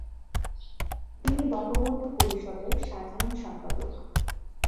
তিনি বঙ্গবন্ধু পরিষদের সাধারণ সম্পাদক।